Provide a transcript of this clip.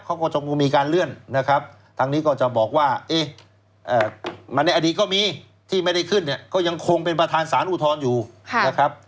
เขาก็จะมีการเลื่อนนะครับทางนี้ก็จะบอกว่าเอ๊ะมันในอดีตก็มีที่ไม่ได้ขึ้นเนี่ยก็ยังคงเป็นประธานสารอุทธรณ์อยู่นะครับ